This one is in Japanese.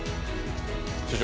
所長